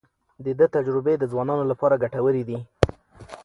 د ده تجربې د ځوانانو لپاره ګټورې دي.